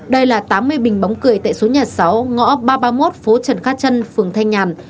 đây là tám mươi bình bóng cười tại số nhà sáu ngõ ba trăm ba mươi một phố trần cát trân phường thanh nhàn